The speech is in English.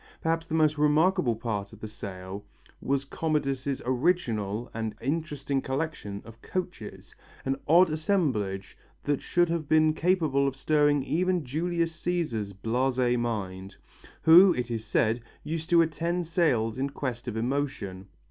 Perhaps the most remarkable part of the sale was Commodus' original and interesting collection of coaches, an odd assemblage that should have been capable of stirring even Julius Cæsar's blasé mind, who, it is said used to attend sales in quest of emotion.